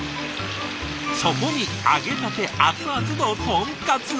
そこに揚げたて熱々の豚カツを。